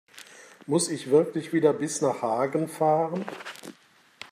Muss ich wirklich wieder bis nach Hagen fahren?